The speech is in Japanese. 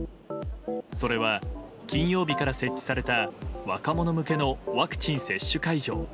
それは、金曜日から設置された若者向けのワクチン接種会場。